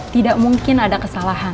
tidak mungkin ada kesalahan